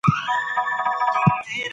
لاسو كې توري دي